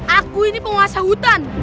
aku ini penguasa hutan